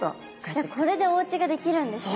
じゃこれでおうちができるんですね。